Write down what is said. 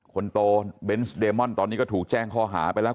คนโตเบนส์เดมอนตอนนี้ก็ถูกแจ้งข้อหาไปแล้ว